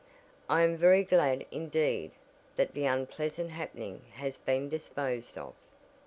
"I am very glad indeed that the unpleasant happening has been disposed of."